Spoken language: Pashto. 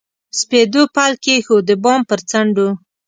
سپېدو پل کښېښود، د بام پر څنډو